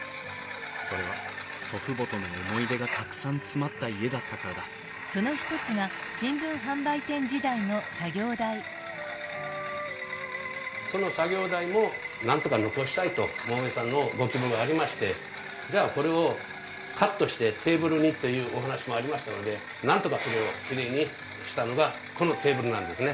それは祖父母との思い出がたくさん詰まった家だったからだその作業台もなんとか残したいと桃井さんのご希望がありましてじゃあこれをカットしてテーブルにというお話もありましたのでなんとかそれをきれいにしたのがこのテーブルなんですね。